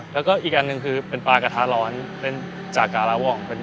แล้วก็อีกอันหนึ่งคือเป็นปลากระทะร้อนเป็นจากการาว่อง